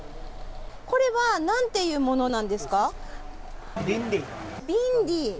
これはなんていうものなんですか。